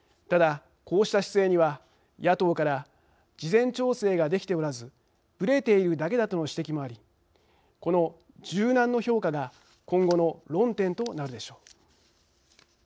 ただ、こうした姿勢には野党から事前調整ができておらずぶれているだけだとの指摘もありこの柔軟の評価が今後の論点となるでしょう。